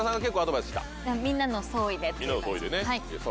みんなの総意でね。